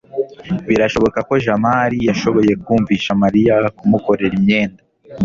birashoboka ko jamali yashoboye kumvisha mariya kumukorera imyenda